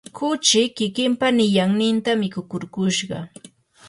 kuchi kikimpa niyanninta mikukurkushqa.